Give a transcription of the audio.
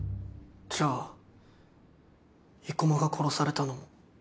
じゃあ生駒が殺されたのも。